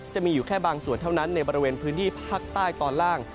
จะมีอยู่แค่บางส่วนเท่านั้นในบริเวณพื้นที่ภาคใต้ตอนล่าง